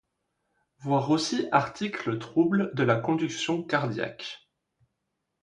Voir aussi article troubles de la conduction cardiaque.